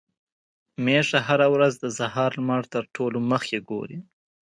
ميښه هره ورځ د سهار لمر تر ټولو مخکې ګوري.